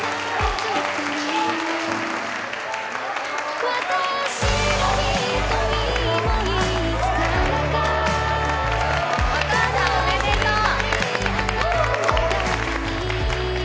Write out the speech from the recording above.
お父さんおめでとう！